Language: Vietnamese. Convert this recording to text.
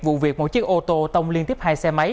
vụ việc một chiếc ô tô tông liên tiếp hai xe máy